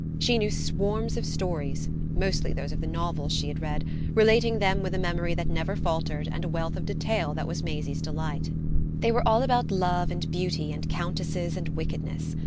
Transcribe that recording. She knew swarms of stories, mostly those of the novels she had read; relating them with a memory that never faltered and a wealth of detail that was Maisie's delight. They were all about love and beauty and countesses and wickedness.